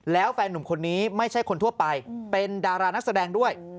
แล้วแฟนหนุ่มคนนี้ไม่ใช่คนทั่วไปเป็นดารานักแสดงด้วย